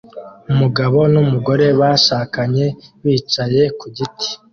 Umugabo n'umugore bashakanye bicaye ku giti